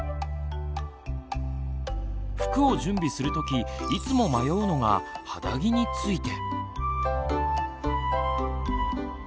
服を準備する時いつも迷うのが肌着について。